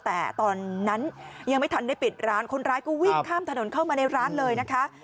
แต่ตอนนั้นยังไม่ทันได้ปิดร้านคนร้ายก็วิ่งข้ามถนนเข้ามาในร้านเลยนะคะ